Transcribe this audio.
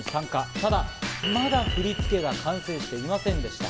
ただ、まだ振り付けが完成していませんでした。